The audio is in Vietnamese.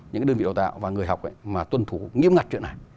những đơn vị đào tạo và người học mà tuân thủ nghiêm ngặt chuyện này